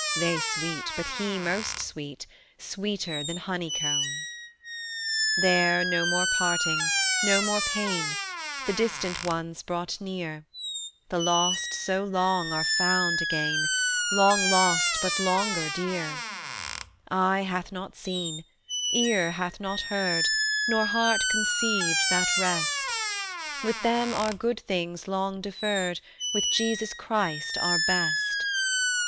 "They sweet, but He most sweet, Sweeter than honeycomb." There no more parting, no more pain, The distant ones brought near, The lost so long are found again, Long lost but longer dear: Eye hath not seen, ear hath not heard, Nor heart conceived that rest, With them our good things long deferred, With Jesus Christ our Best.